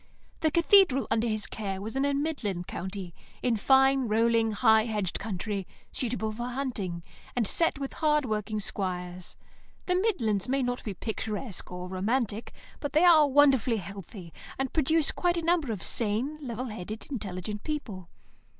The Cathedral under his care was in a midland county, in fine, rolling, high hedged country, suitable for hunting, and set with hard working squires. The midlands may not be picturesque or romantic, but they are wonderfully healthy, and produce quite a number of sane, level headed, intelligent people.